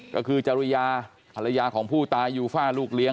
ก็คือจริยาภรรยาของผู้ตายยูฟ่าลูกเลี้ย